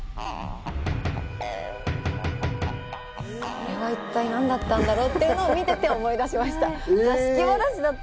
あれはいったい何だったんだろうっていうのを見てて思い出しました。